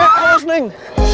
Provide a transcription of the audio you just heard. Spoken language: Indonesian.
eh harus neng